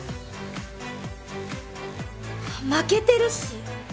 負けてるし。